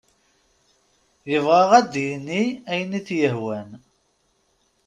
Yebɣa ad d-yini ayen t-yehwan.